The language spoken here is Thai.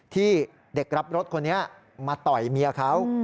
ที่เด็กรับรถคนนี้มาต่อยเมียเขา